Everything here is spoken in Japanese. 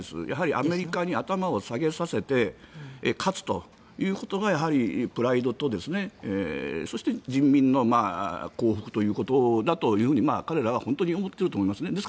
やはりアメリカに頭を下げさせて勝つということがやはりプライドとそして人民の幸福ということだと彼らは本当に思っていると思いますね。